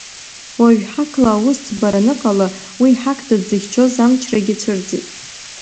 Уажә ҳақла аусӡбара аныҟала, уи ҳақда дзыхьчоз амчрагьы цәырҵит.